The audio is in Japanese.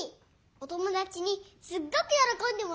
お友だちにすっごくよろこんでもらえたよ！